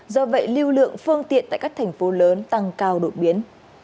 do vậy lưu lượng phương tiện tại các thành phố lớn tăng cao đột biến